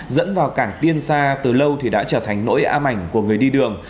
dẫn vào cảng tiên sa từ lâu thì đã trở thành nỗi ám ảnh của người đi đường